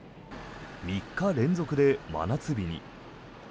３日連続で真夏日に。